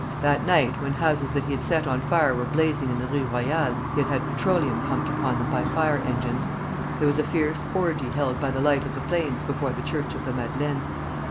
That night, when houses that he had set on fire were blazing in the Rue Royale (he had had petroleum pumped upon them by fire engines), there was a fierce orgy held by the light of the flames before the Church of the Madeleine.